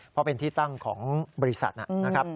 เพราะเป็นที่ตั้งของบริษัทนะครับ